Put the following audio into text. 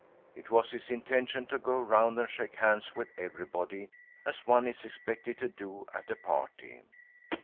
It was his intention to go around and shake hands with everybody, as one is expected to do at a party.